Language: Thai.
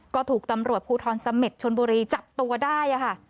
ก็ถูกตำรวจภูทรเสม็ดชนบุรีจับตัวได้ค่ะ